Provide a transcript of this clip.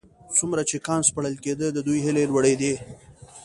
څومره چې کان سپړل کېده د دوی هيلې لوړېدې.